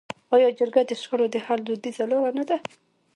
آیا جرګه د شخړو د حل دودیزه لاره نه ده؟